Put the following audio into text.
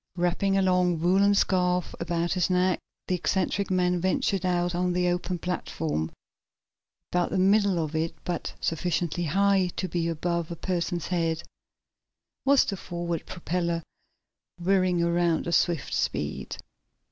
Wrapping a long, woolen scarf about his neck, the eccentric man ventured out on the open platform. About the middle of it, but sufficiently high to be above a person's head, was the forward propeller, whirring around at swift speed.